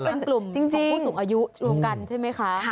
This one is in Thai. เพราะว่าเป็นกลุ่มของผู้สูงอายุรวมกันใช่ไหมคะ